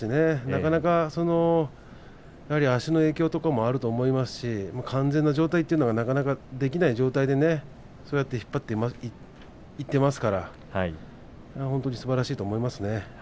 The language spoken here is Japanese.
なかなか、足の影響とかもあると思いますし完全な状態というのができない状態でね、そうやって引っ張っていっていますからすばらしいと思いますね。